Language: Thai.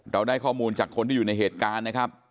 ได้ข้อมูลจากคนที่อยู่ในเหตุการณ์นะครับ